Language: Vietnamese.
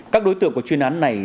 các đối tượng của chuyên án này